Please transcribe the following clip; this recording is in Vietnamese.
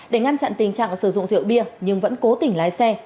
để ngăn chặn tình trạng sử dụng rượu bia nhưng vẫn cố tình lái xe